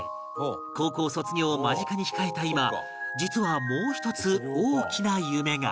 高校卒業を間近に控えた今実はもう１つ大きな夢が